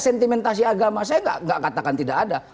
implementasi agama saya tidak katakan tidak ada